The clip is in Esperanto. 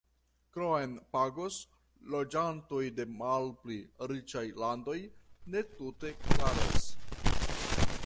Kiom pagos loĝantoj de malpli riĉaj landoj ne tute klaras.